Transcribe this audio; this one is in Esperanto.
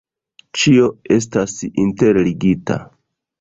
Ĉio estas interligita.